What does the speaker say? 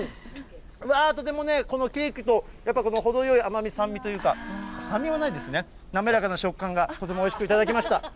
うわぁ、とてもね、このケーキと、やっぱこの程よい甘み、酸味というか、酸味はないですね、滑らかな食感がとてもおいしく頂きました。